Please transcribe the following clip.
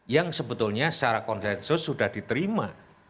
yang sebetulnya secara konsensus sudah diterima